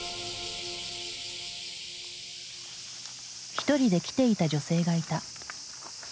一人で来ていた女性がいた。